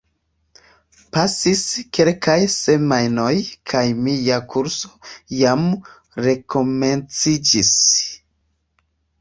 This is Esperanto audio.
Pasis kelkaj semajnoj kaj mia kurso jam rekomenciĝis.